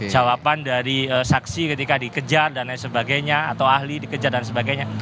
jawaban dari saksi ketika dikejar dan lain sebagainya atau ahli dikejar dan sebagainya